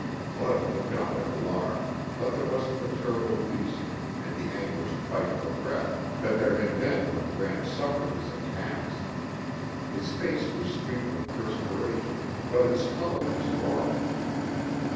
Bud looked up in alarm, but there wasn't the terrible wheezing and the anguished fight for breath that there had been when Gramps suffered his attacks. His face was streaked with perspiration but its color was normal.